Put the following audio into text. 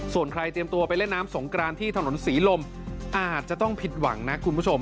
ส่วนใครเตรียมตัวไปเล่นน้ำสงกรานที่ถนนศรีลมอาจจะต้องผิดหวังนะคุณผู้ชม